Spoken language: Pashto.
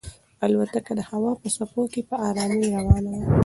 الوتکه د هوا په څپو کې په ارامۍ روانه وه.